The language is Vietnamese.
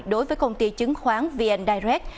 đối với công ty chứng khoán vn direct